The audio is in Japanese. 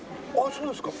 そうですか。